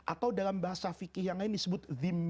atau dalam bahasa fikih yang lain disebut zim